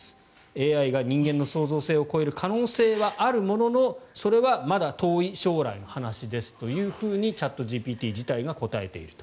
ＡＩが人間の創造性を超える可能性はあるもののそれはまだ遠い将来の話ですというふうにチャットＧＰＴ自体が答えていると。